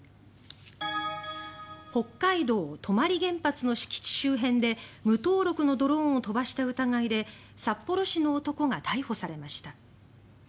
北海道・泊原発の敷地周辺で無登録のドローンを飛ばした疑いで札幌市の男が逮捕されました。